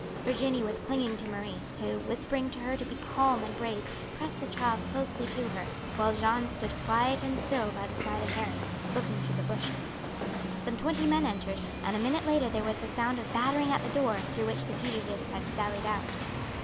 Virginie was clinging to Marie, who, whispering to her to be calm and brave, pressed the child closely to her, while Jeanne stood quiet and still by the side of Harry, looking through the bushes. Some twenty men entered, and a minute later there was the sound of battering at the door through which the fugitives had sallied out.